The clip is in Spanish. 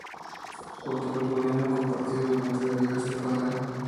Obtuvo el gobierno compartido durante la vida de su padre.